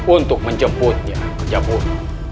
untuk menjemputnya ke jepun